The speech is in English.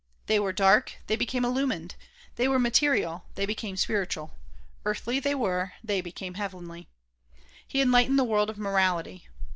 They were dark, they became illu mined; they were material, they became spiritual; earthly they were, they became heavenly. He enlightened the world of morality.